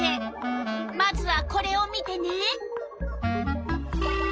まずはこれを見てね。